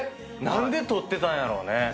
何で取ってたんやろうね。